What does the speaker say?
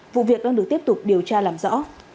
vụ việc đang được tiếp tục điều tra làm rõ